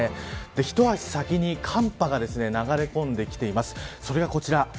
一足先に、寒波が流れ込んできています、それがこちら。